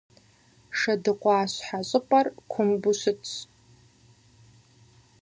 Шэдыкъуащхьэ щӏыпӏэр кумбу щытщ.